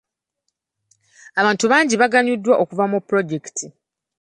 Abantu bangi baaganyuddwa okuva mu pulojekiti.